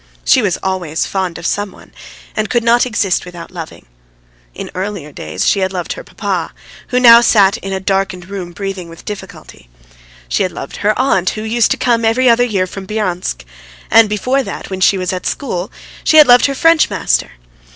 She was always fond of some one, and could not exist without loving. In earlier days she had loved her papa, who now sat in a darkened room, breathing with difficulty; she had loved her aunt who used to come every other year from Bryansk; and before that, when she was at school, she had loved her French master.